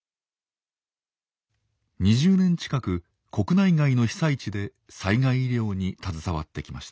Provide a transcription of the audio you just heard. ２０年近く国内外の被災地で災害医療に携わってきました。